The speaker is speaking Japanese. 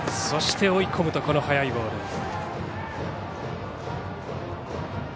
そして追い込むと速いボール。